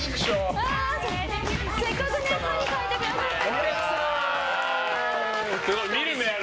せっかく可に変えてくださった。